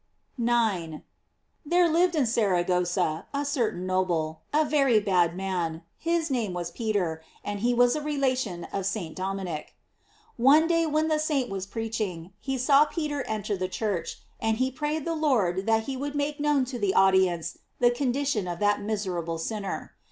* 9. — There lived in Saragossa a certain noble, a very bad man; his name was Peter, and he was a relation of St. Dominic. One day when the saint was preaching, he saw Peter enter the church, and he prayed the Lord that he would make known to the audience the condition of that miserable sinner.